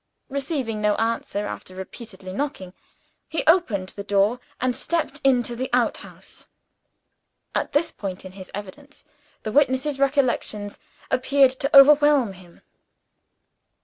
Receiving no answer, after repeatedly knocking, he opened the door and stepped into the outhouse. At this point in his evidence, the witness's recollections appeared to overpower him.